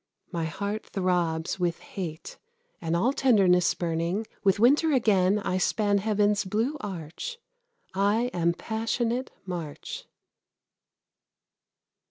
My heart throbs with hate, and all tenderness spurning, With winter again I span heaven's blue arch. I am passionate March.